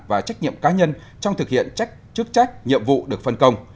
và trách nhiệm cá nhân trong thực hiện chức trách nhiệm vụ được phân công